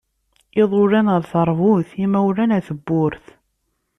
Iḍulan ar terbut, imawlan ar tewwurt.